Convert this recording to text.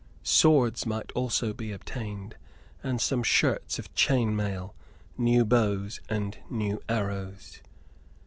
Swords might also be obtained; and some shirts of chain mail, new bows and new arrows.